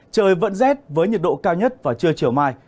trời vẫn rét với nhiệt độ cao nhất vào trưa chiều mai